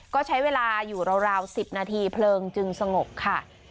ก็ใช้เวลาอยู่ราว๑๐นาทีเพลิงจึงสงบค่ะ